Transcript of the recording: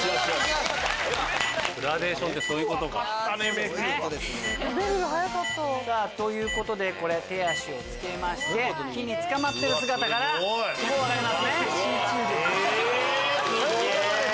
グラデーションってそういうことか。ということでこれ手足を付けまして木に掴まってる姿からもう分かりますね。